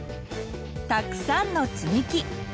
たくさんのつみき。